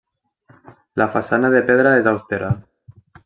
La façana de pedra és austera.